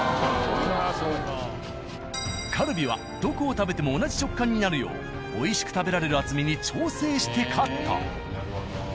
カルビはどこを食べても同じ食感になるよう美味しく食べられる厚みに調整してカット。